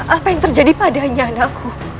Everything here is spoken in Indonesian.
apa yang terjadi padanya anakku